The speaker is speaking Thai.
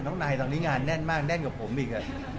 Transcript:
นายตอนนี้งานแน่นมากแน่นกว่าผมอีก